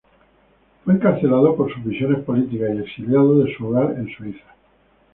Fue encarcelado por sus visiones políticas y exiliado de su hogar en Suiza.